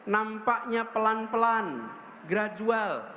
nampaknya pelan pelan gradual